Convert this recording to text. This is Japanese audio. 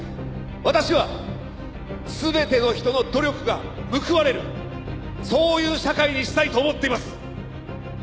「私は全ての人の努力が報われるそういう社会にしたいと思っています」